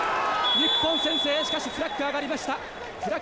日本先制、しかしフラッグ上がりました。